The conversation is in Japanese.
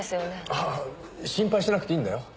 ああ心配しなくていいんだよ。